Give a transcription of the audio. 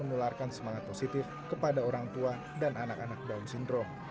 dan menunjukkan semangat positif kepada orang tua dan anak anak daun sindrom